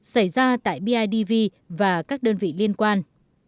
xảy ra tại bidv và các đơn vị liên quan